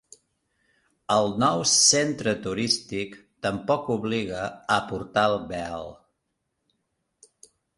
El nou centre turístic tampoc obliga a portar el vel